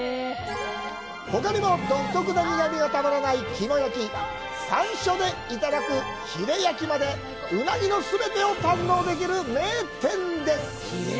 ほかにも、独特な苦味がたまらない肝焼きサンショウでいただくヒレ焼きまでウナギの全てを堪能できる名店です。